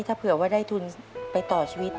ถ้าเผื่อว่าได้ทุนไปต่อชีวิต